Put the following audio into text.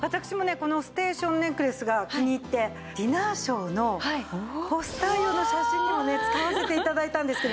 このステーションネックレスが気に入ってディナーショーのポスター用の写真にもね使わせて頂いたんですけど。